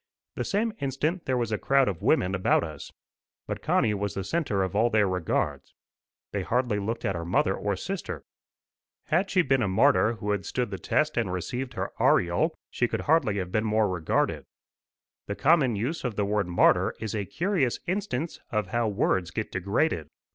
The same instant there was a crowd of women about us. But Connie was the centre of all their regards. They hardly looked at her mother or sister. Had she been a martyr who had stood the test and received her aureole, she could hardly have been more regarded. The common use of the word martyr is a curious instance of how words get degraded.